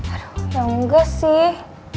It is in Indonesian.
aduh ya engga sih